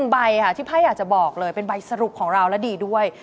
ใบค่ะที่ไพ่อยากจะบอกเลยเป็นใบสรุปของเราและดีด้วย